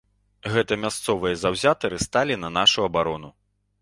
Гэта мясцовыя заўзятары сталі на нашу абарону.